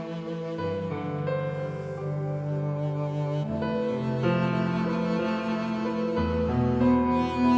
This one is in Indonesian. ibu pangan bu